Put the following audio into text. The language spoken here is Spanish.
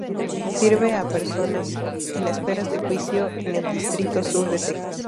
Sirve a personas en espera de juicio en el Distrito Sur de Texas.